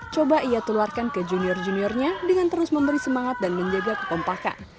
coba ia tularkan ke junior juniornya dengan terus memberi semangat dan menjaga kekompakan